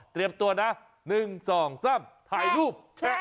ตัวนะ๑๒๓ถ่ายรูป